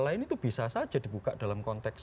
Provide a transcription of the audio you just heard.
lain itu bisa saja dibuka dalam konteks